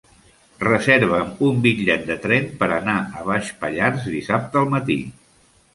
Reserva'm un bitllet de tren per anar a Baix Pallars dissabte al matí.